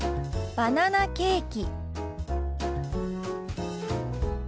「バナナケーキ」。